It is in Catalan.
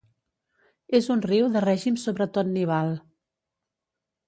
És un riu de règim sobretot nival.